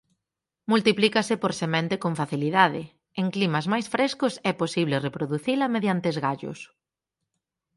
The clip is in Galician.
Multiplícase por semente con facilidade; en climas máis frescos é posible reproducila mediante esgallos.